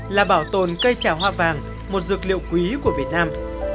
là bảo tồn cây trào hoa vàng một dược liệu quý của việt nam